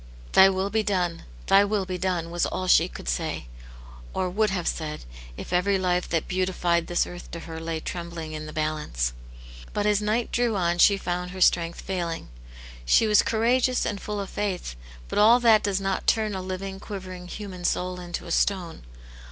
" Thy will be done, Thy will be done !*' was all she said, or would have said, if every life that beautified this earth to her lay trembling in the balance. But as night drew on she found her strength failing ; she was courageous and full of faith, but all that does not turn a living, quivering human soul into a stone.